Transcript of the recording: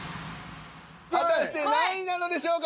果たして何位なのでしょうか？